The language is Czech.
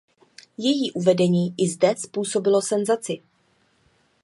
Její uvedení i zde způsobilo senzaci.